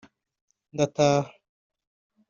ndataha